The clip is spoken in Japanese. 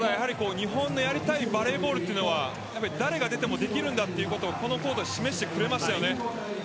日本のやりたいバレーボールというのは誰が出てもできるんだというのはこのコートで示してくれましたよね。